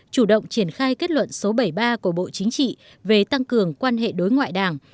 chủ động triển khai kết luận số bảy mươi ba của bộ chính trị về tăng cường quan hệ đối ngoại đảng